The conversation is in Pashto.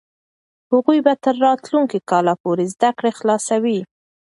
هغوی به تر راتلونکي کاله پورې زده کړې خلاصوي.